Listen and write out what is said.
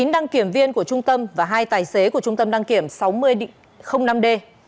chín đăng kiểm viên của trung tâm và hai tài xế của trung tâm đăng kiểm sáu mươi năm d